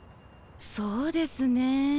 そうですね。